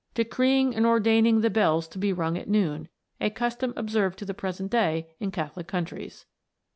207 decreeing and ordaining the bells to be rung at noon, a custom observed to the present day in Catholic countries.